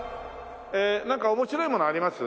ええなんか面白いものあります？